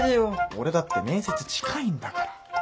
俺だって面接近いんだから。